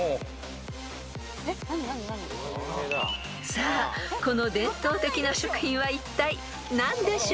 ［さあこの伝統的な食品はいったい何でしょう？］